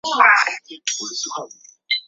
迪特尔斯多夫是德国图林根州的一个市镇。